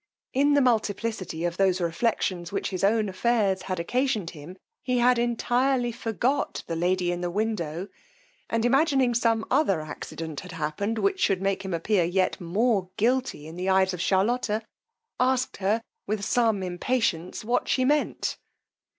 In the multiplicity of those reflections which his own affairs had occasioned him, he had entirely forgot the lady in the window; and imagining some other accident had happened which should make him appear yet more guilty in the eyes of Charlotta, ask'd her, with some impatience, what she meant?